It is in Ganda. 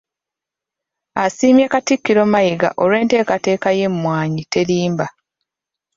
Asiimye Katikkiro Mayiga olw’enteekateeka y’Emmwanyi Terimba.